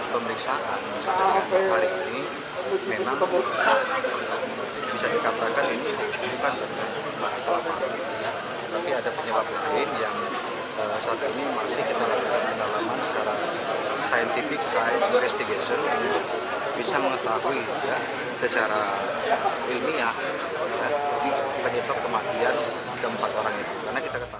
bisa mengetahui secara ilmiah penyebab kematian empat orang itu